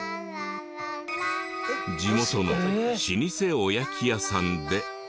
地元の老舗おやき屋さんで。